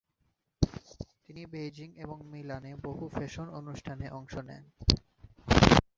তিনি বেইজিং এবং মিলানে বহু ফ্যাশন অনুষ্ঠানে অংশ নেন।